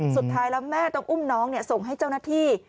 สุดท้ายแล้วแม่ต้องอุ้มน้องส่งให้เจ้าหน้าที่